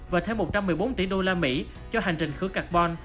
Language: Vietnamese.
và thêm một trăm một mươi bốn tỷ usd cho hành trình khứa carbon